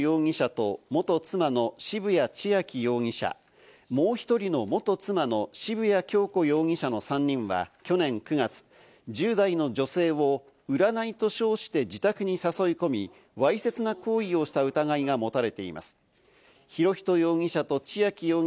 警視庁によりますと、渋谷博仁容疑者と元妻の渋谷千秋容疑者、もう１人の元妻の渋谷恭子容疑者の３人は去年９月、１０代の女性を占いと称して自宅に誘い込み、わいせつな行為をした疑いが持たれています。